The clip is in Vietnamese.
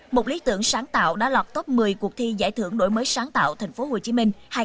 một lý tưởng sáng tạo đã lọt top một mươi cuộc thi giải thưởng đổi mới sáng tạo tp hcm